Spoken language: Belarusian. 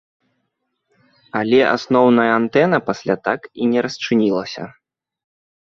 Але асноўная антэна пасля так і не расчынілася.